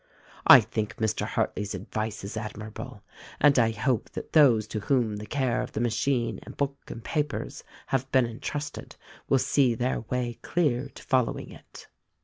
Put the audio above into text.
I think Mr. Hartleigh's advice is admirable, and I hope that those to whom the care of the machine and book and papers have been entrusted will see their way clear to following it."